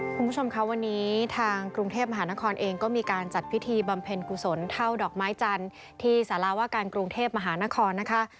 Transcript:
คุณผู้ชมค่ะวันนี้ทางกรุงเทพมหานครเองก็มีการจัดพิธีบำเพ็ญกุศลเท่าดอกไม้จันทร์ที่สาราว่าการกรุงเทพมหานครนะคะ